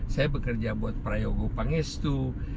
saya bekerja buat prayogo pangestu